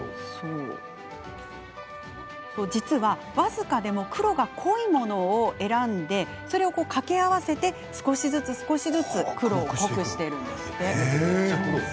実は僅かでも黒が濃いものを選んで、かけ合わせて少しずつ、少しずつ黒を濃くしているんです。